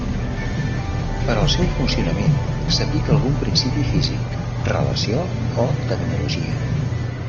Per al seu funcionament s'aplica algun principi físic, relació, o tecnologia.